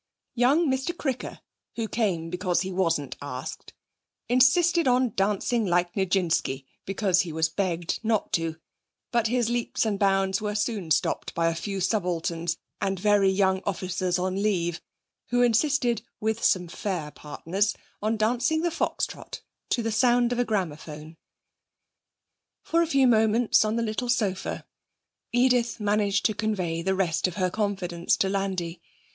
Young Mr. Cricker, who came because he wasn't asked, insisted on dancing like Nijinsky because he was begged not to, but his leaps and bounds were soon stopped by a few subalterns and very young officers on leave, who insisted, with some fair partners, on dancing the Fox Trot to the sound of a gramophone. For a few moments on the little sofa Edith managed to convey the rest of her confidence to Landi.